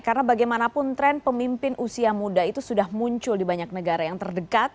karena bagaimanapun tren pemimpin usia muda itu sudah muncul di banyak negara yang terdekat